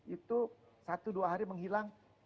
itu satu dua hari menghilang